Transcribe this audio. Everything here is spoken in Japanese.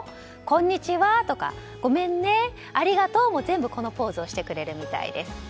こんにちはとかごめんねありがとうも全部このポーズをしてくれるみたいです。